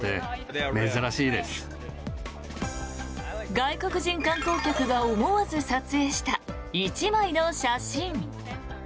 外国人観光客が思わず撮影した１枚の写真。